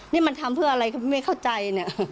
นี่มันทำเพื่ออะไรกันให้ไม่เข้าใจ